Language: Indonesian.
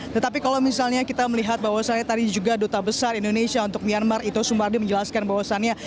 tetapi kalau misalnya kita melihat bahwa saya tadi juga dota besar indonesia untuk myanmar itu sumbernya menjelaskan bahwasannya